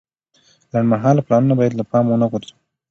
لنډمهاله پلانونه باید له پامه ونه غورځوو.